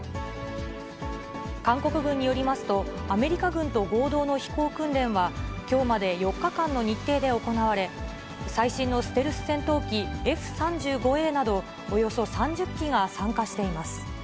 韓国軍によりますと、アメリカ軍と合同の飛行訓練は、きょうまで４日間の日程で行われ、最新のステルス戦闘機、Ｆ３５Ａなど、およそ３０機が参加しています。